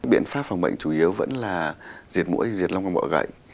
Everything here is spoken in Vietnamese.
biện pháp phòng bệnh chủ yếu vẫn là diệt mũi diệt lông và mọ gậy